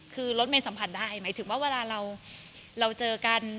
คือรถเมย์สัมผัสได้หมายถึงว่าเวลาเราเจอกัน